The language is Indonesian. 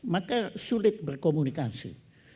maka sulit berkomunikasi